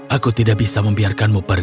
aku tidak bisa membiarkanmu pergi